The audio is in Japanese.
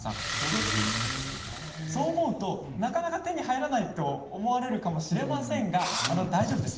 そう思うと、なかなか手に入らないと思われるかもしれませんが大丈夫です。